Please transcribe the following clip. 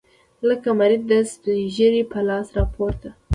لکه مريد د سپينږيري په لاس راپرېوت.